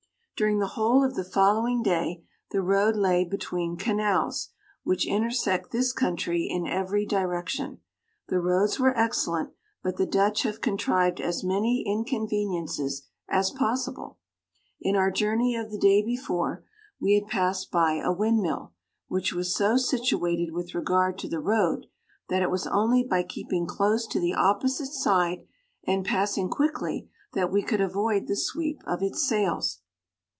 During the whole of the following day the road lay between canals, which intersect this country in every direc tion. The roads were excellent, but the Dutch have contrived as raany in conveniences as possible. In our jour ney of the day before, we had passed 76 by a windmill, which was so situated with regard to the road, that it was only by keeping close to the opposite side, and passing quickly, that we could avoid the sweep of its sails.